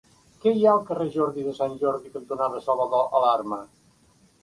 Què hi ha al carrer Jordi de Sant Jordi cantonada Salvador Alarma?